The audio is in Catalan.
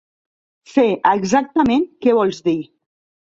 Sé exactament què vols dir.